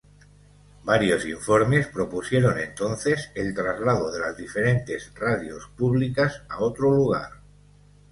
Varios informes propusieron entonces el traslado de las diferentes radios públicas a otro lugar.